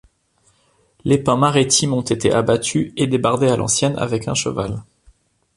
Les pins maritimes ont été abattus et débardés à l’ancienne avec un cheval.